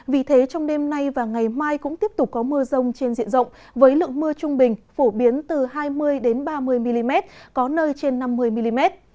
vì thế trong đêm nay và ngày mai cũng tiếp tục có mưa rông trên diện rộng với lượng mưa trung bình phổ biến từ hai mươi ba mươi mm có nơi trên năm mươi mm